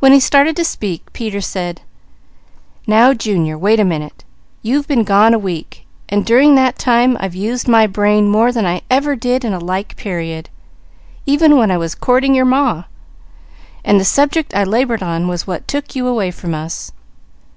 When he started to speak Peter said: "Now Junior, wait a minute! You've been gone a week, and during that time I've used my brains more than I ever did in a like period, even when I was courting your Ma, and the subject I laboured on was what took you away from us.